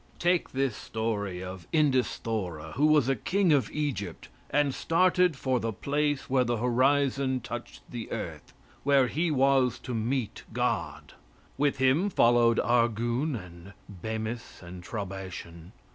Take this story of Endesthora, who was a king of Egypt, and started for the place where the horizon touched the earth, where he was to meet God. With him followed Argune and Bemis and Traubation.